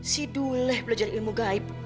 si duleh belajar ilmu gaib